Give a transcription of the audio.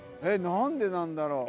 何でなんだろう。